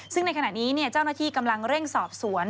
ซึ่งในขณะนี้เจ้าหน้าที่กำลังเร่งสอบสวน